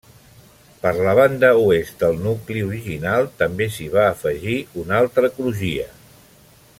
Per la banda oest del nucli original també s'hi va afegir una altra crugia.